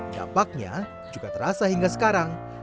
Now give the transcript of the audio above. dampaknya juga terasa hingga sekarang